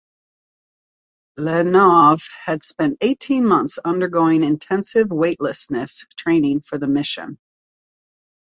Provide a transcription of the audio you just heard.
Leonov had spent eighteen months undergoing intensive weightlessness training for the mission.